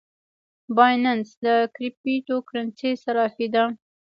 بایننس د کریپټو کرنسۍ صرافي ده